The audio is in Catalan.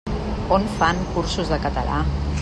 On fan cursos de català?